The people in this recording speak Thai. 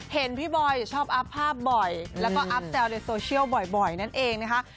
เห็นพี่บอยชอบอัพภาพบ่อยแล้วก็อัพแซวในโซเชียลบ่อยนั่นเองนะคะ